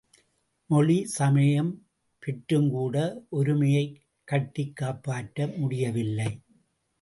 மொழி, சமயம் பெற்றுங்கூட ஒருமையைக் கட்டிக் காப்பாற்ற முடியவில்லை.